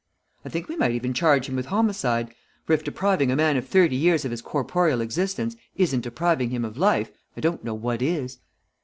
I think we might even charge him with homicide, for if depriving a man of thirty years of his corporeal existence isn't depriving him of life, I don't know what is.